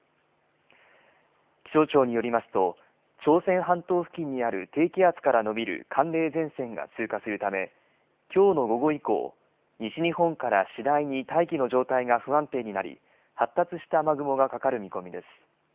気象庁によりますと朝鮮半島付近にある低気圧から延びる寒冷前線が通過するためきょうの午後以降、西日本から次第に大気の状態が不安定になり発達した雨雲がかかる見込みです。